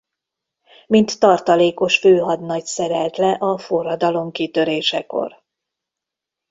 Mint tartalékos főhadnagy szerelt le a forradalom kitörésekor.